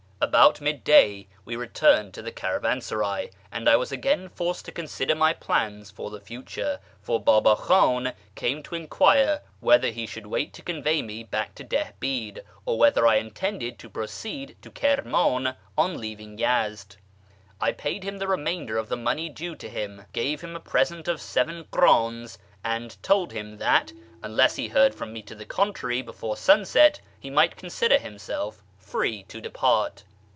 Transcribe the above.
About mid day we returned to the caravansaray, and I was again forced to consider my plans for the future, for Baba Khan came to enquire whether he should wait to convey me back to Dilibid, or whether I intended to proceed to Kirman on leaving Yezd. I paid him the remainder of the money due to him, gave him a present of seven ki'dns, and told him that, unless he heard from me to the contrary before sunset, he might consider himself free to depart.